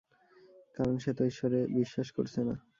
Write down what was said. কারণ সে তো ঈশ্বরে বিশ্বাস করছে না।